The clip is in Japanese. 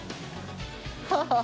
ハハハハ。